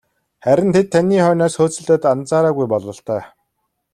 Харин тэд таны хойноос хөөцөлдөөд анзаараагүй бололтой.